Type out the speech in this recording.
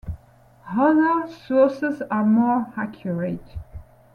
Other sources are more accurate.